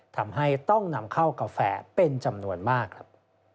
ทำให้ต้องนำเข้ากาแฟเป็นจำนวนมากครับ